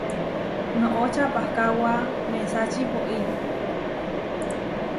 Noʼo čapakáwa mesačí pói.